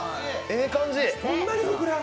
ええ感じ！